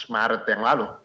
dua belas maret yang lalu